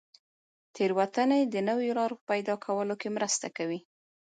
تېروتنې د نویو لارو په پیدا کولو کې مرسته کوي.